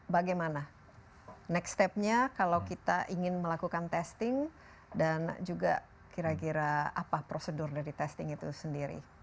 bagaimana next step nya kalau kita ingin melakukan testing dan juga kira kira apa prosedur dari testing itu sendiri